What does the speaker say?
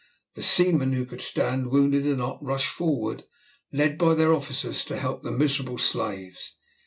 The seamen who could stand, wounded or not, rushed forward, led by their officers, to help the miserable slaves.